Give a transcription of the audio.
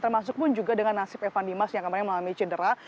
termasuk pun juga dengan nasib evan dimas yang kemarin mengalami cedera